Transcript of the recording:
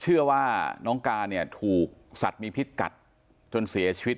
เชื่อว่าน้องกาถูกสัตว์มีพิษกัดถึงเสียชีวิต